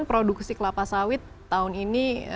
produksi kelapa sawit tahun ini